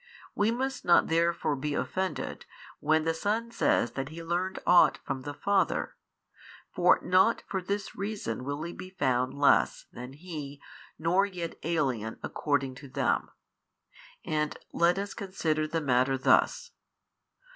We must not therefore be offended, when the Son says that He learnt ought from the Father; for not for this reason will He be found less than He nor yet alien according to |616 them. And let us consider the matter thus.